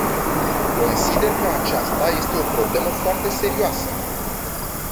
Consider că aceasta este o problemă foarte serioasă.